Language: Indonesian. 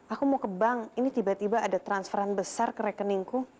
aku mau ke bank ini tiba tiba ada transferan besar ke rekeningku